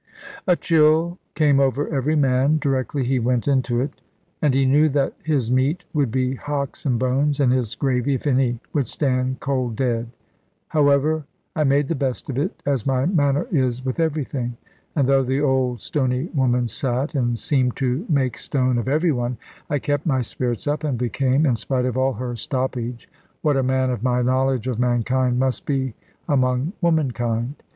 A chill came over every man, directly he went into it; and he knew that his meat would be hocks and bones, and his gravy (if any) would stand cold dead. However, I made the best of it, as my manner is with everything; and though the old stony woman sate, and seemed to make stone of every one, I kept my spirits up, and became (in spite of all her stoppage) what a man of my knowledge of mankind must be among womankind.